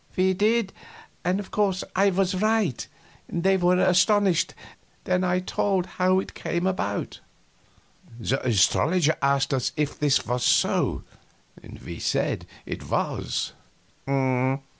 We did, and of course I was right. They were astonished; then I told how it came about." The astrologer asked us if this was so, and we said it was.